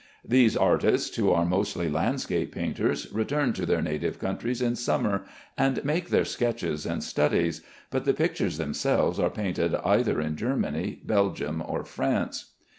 These artists, who are mostly landscape painters, return to their native countries in summer and make their sketches and studies; but the pictures themselves are painted either in Germany, Belgium, or France.